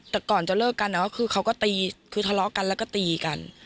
แต่ก่อนจะเลิกกันก็คือเขาก็ตีคือทะเลาะกันแล้วก็ตีกัน